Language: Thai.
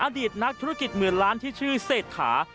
อดีตนักธุรกิจหมื่นล้านที่ชื่อเศรษฐา